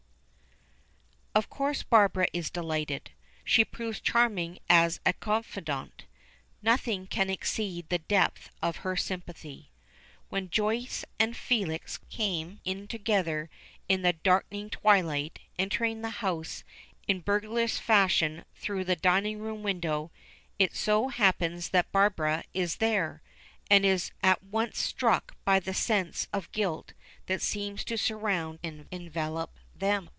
Of course Barbara is delighted. She proves charming as a confidante. Nothing can exceed the depth of her sympathy. When Joyce and Felix came in together in the darkening twilight, entering the house in a burglarious fashion through the dining room window, it so happens that Barbara is there, and is at once struck by a sense of guilt that seems to surround and envelop them.